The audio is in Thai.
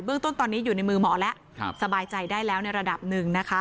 ต้นตอนนี้อยู่ในมือหมอแล้วสบายใจได้แล้วในระดับหนึ่งนะคะ